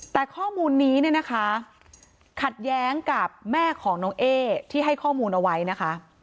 แต่ข้อมูลนี้เนี่ยนะคะขัดแย้งกับแม่ของน้องเอ๊ที่ให้ข้อมูลเอาไว้นะคะ